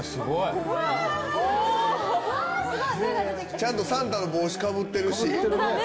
ちゃんとサンタの帽子かぶってるし。